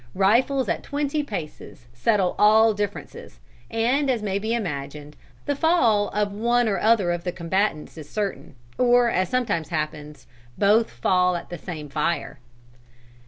Rifles at twenty paces settle all differences, and as may be imagined, the fall of one or other of the combatants is certain, or, as sometimes happens, both fall at the same fire."